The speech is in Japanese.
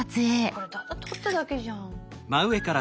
これただ撮っただけじゃん。